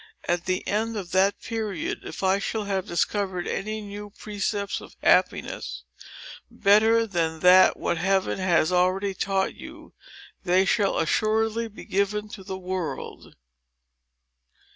At the end of that period, if I shall have discovered any new precepts of happiness, better than what Heaven has already taught you, they shall assuredly be given to the world."